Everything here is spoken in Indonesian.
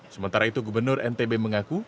sementara itu gubernur ntb mengaku